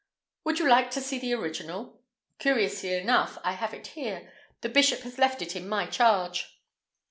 "Would you like to see the original? Curiously enough, I have it here. The bishop has left it in my charge."